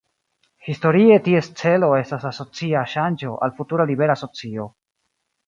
Historie ties celo estas la socia ŝanĝo al futura libera socio.